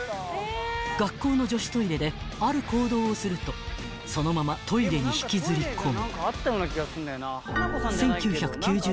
［学校の女子トイレである行動をするとそのままトイレに引きずり込む］